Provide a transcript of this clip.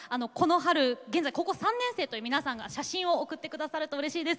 現在高校３年生という皆さんが写真を送ってくださるとうれしいです。